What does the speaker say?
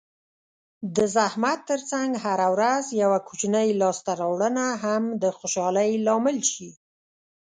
د زحمت ترڅنګ هره ورځ یوه کوچنۍ لاسته راوړنه هم د خوشحالۍ لامل شي.